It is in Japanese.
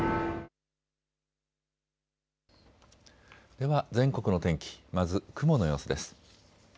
では全国の天気、まず雲の様子です。